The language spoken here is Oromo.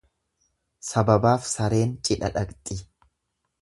Sababaaf Sareen cidha dhaqxi.